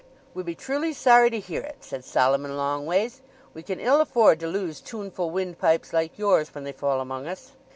"We be truly sorry to hear it," said Solomon Longways. "We can ill afford to lose tuneful wynd pipes like yours when they fall among us.